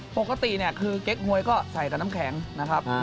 ปกติเนี่ยคือเก๊กหวยก็ใส่แต่น้ำแข็งนะครับ